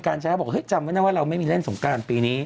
คนการแชร์บอกจำไว้นะว่าเราไม่มีเล่นสงการปีนี้